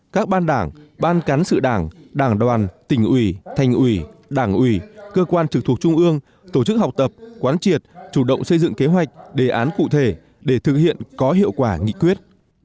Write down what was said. các ban đảng ban cán sự đảng đảng đoàn tỉnh ủy thành ủy đảng ủy cơ quan trực thuộc trung ương tổ chức học tập quán triệt chủ động xây dựng kế hoạch đề án cụ thể để thực hiện có hiệu quả nghị quyết